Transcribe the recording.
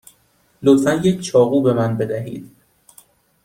لطفا یک چاقو به من بدهید.